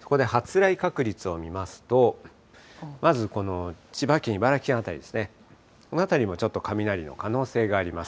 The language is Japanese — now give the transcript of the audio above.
そこで発雷確率を見ますと、まずこの千葉県、茨城県辺りですね、この辺りもちょっと雷の可能性があります。